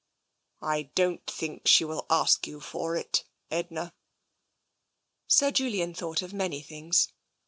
" I don't think she will ask you for it, Edna." Sir Julian thought of many things.